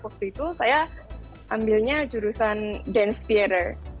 waktu itu saya ambilnya jurusan dance pierre